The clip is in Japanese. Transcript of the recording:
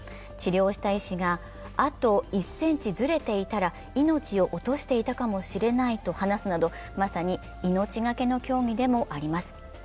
治療した医師があと１ｃｍずれていたら、命を落としていたかもしれないと話すなど、まさに命がけの競技でもあります。